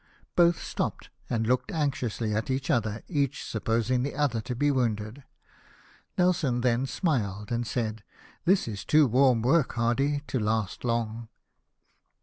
Both stopped, and looked anxiously at each other, each supposing the other to be wounded. Nelson then smiled, and said, "This is too warm work. Hardy, to last long." 314 LIFE OF NELSON.